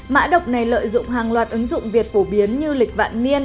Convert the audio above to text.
mã độc này lợi dụng hàng loạt ứng dụng việt phổ biến như lịch vạn niên